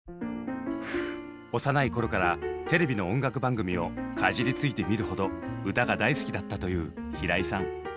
幼い頃からテレビの音楽番組をかじりついて見るほど歌が大好きだったという平井さん。